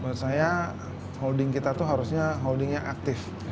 menurut saya holding kita itu harusnya holding yang aktif